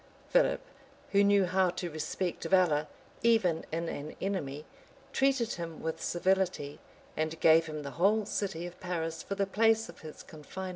[*] Philip, who knew how to respect valor, even in an enemy, treated him with civility, and gave him the whole city of Paris for the place of his confinement.